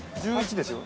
１１ですよ。